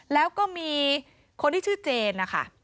แล้วก็มีคนที่ชื่อเจนนะคะ